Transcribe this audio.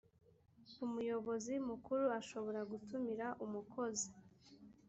umuyobozi mukuru ashobora gutumira umukozi